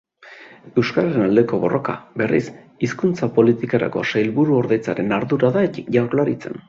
Euskararen aldeko borroka, berriz, Hizkuntza Politikarako Sailburuordetzaren ardura da Jaurlaritzan.